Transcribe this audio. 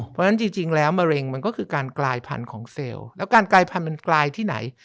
เพราะฉะนั้นจริงแล้วมะเร็งมันก็คือการกลายพันธุ์ของเซลล์แล้วการกลายพันธุ์มันกลายที่ไหน